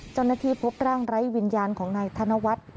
เจ้าหน้าที่พบร่างไร้วิญญาณของนายธนวัฒน์